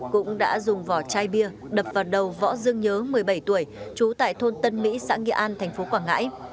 cũng đã dùng vỏ chai bia đập vào đầu võ dương nhớ một mươi bảy tuổi trú tại thôn tân mỹ xã nghĩa an tp quảng ngãi